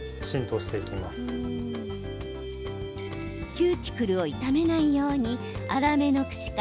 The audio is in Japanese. キューティクルを傷めないように粗めのくしか